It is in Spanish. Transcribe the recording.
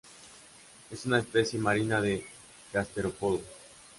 Es una especie marina de gasterópodo.